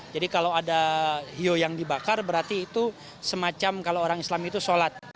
jadi kalau ada hiyo yang dibakar berarti itu semacam kalau orang islam itu sholat